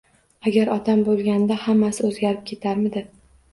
Agar otam bo‘lganida hammasi o‘zgarib ketarmidi?